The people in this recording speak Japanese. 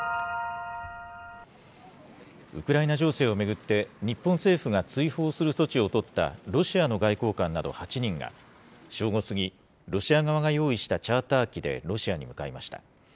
ウクライナ情勢を巡って、日本政府が追放する措置を取ったロシアの外交官など８人が、正午過ぎ、ロシア側が用意したチャーター機でロシアに向かいました。